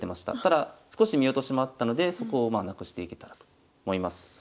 ただ少し見落としもあったのでそこをまあなくしていけたらと思います。